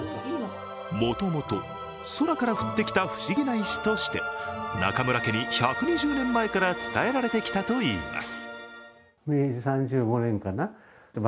もともと空から降ってきた不思議な石として中村家に１２０年前から伝えられてきたといいます。